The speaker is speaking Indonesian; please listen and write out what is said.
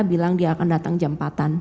bilang dia akan datang jam empatan